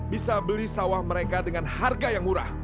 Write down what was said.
bisa beli sawah mereka dengan harga yang murah